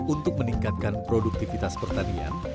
untuk meningkatkan produktivitas pertanian